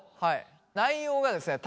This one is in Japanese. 内容がですね